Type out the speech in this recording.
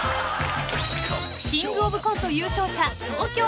［キングオブコント優勝者東京０３。